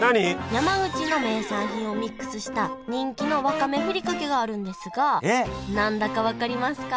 山口の名産品をミックスした人気のわかめふりかけがあるんですが何だか分かりますか？